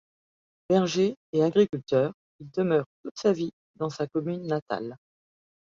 Berger et agriculteur, il demeure toute sa vie dans sa commune natale.